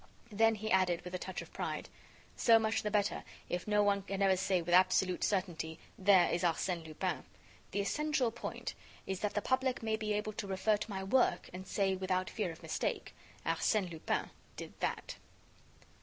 Then he added, with a touch of pride: "So much the better if no one can ever say with absolute certainty: There is Arsène Lupin! The essential point is that the public may be able to refer to my work and say, without fear of mistake: Arsène Lupin did that!"